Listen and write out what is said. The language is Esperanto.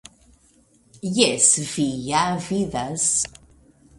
Jes, vi ja vidas .